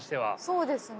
そうですね。